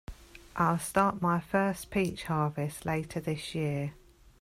I'll start my first peach harvest later this year.